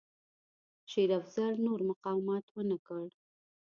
شېر افضل نور مقاومت ونه کړ.